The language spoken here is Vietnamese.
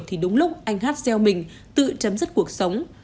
thì đúng lúc anh hát gieo mình tự chấm dứt cuộc sống